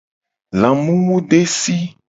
Lamumudesi.